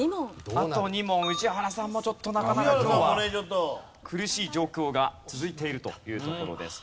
宇治原さんもちょっとなかなか今日は苦しい状況が続いているというところです。